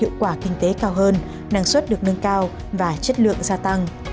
hiệu quả kinh tế cao hơn năng suất được nâng cao và chất lượng gia tăng